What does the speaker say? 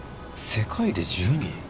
世界で１０人？